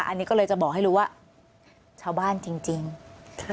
อันนี้ก็เลยจะบอกให้รู้ว่าชาวบ้านจริงจริงค่ะ